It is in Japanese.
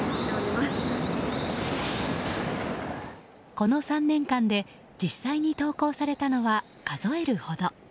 この３年間で実際に登校されたのは数えるほど。